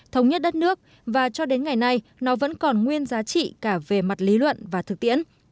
thống nhất đất nước và cho đến ngày nay nó vẫn còn nguyên giá trị cả về mặt lý luận và thực tiễn